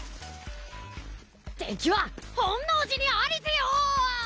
てきは本能寺にありぜよ！